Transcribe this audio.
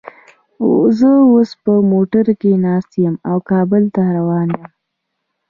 زه اوس په موټر کې ناست یم او کابل ته روان یم